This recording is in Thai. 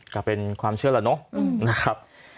ก็เป็นความเชื่อแล้วเนาะนะครับ